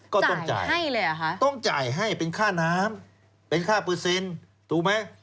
ก็ต้องจ่ายให้เลยเหรอคะต้องจ่ายให้เป็นค่าน้ำเป็นค่าเปอร์เซ็นต์ถูกไหม